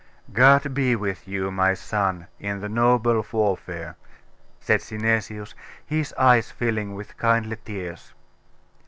'God be with you, my son, in the noble warfare!' said Synesius, his eyes filling with kindly tears.